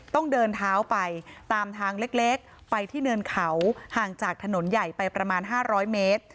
ต้องเดินเท้าไปตามทางเล็กไปที่เนินเขาห่างจากถนนใหญ่ไปประมาณ๕๐๐เมตร